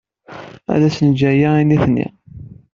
Ad asen-neǧǧ aya i nitni.